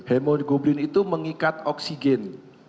hemoglobin itu mengikat oksigen